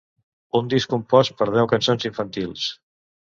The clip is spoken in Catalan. Un disc compost per deu cançons infantils.